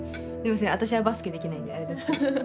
私はバスケできないんであれですけど。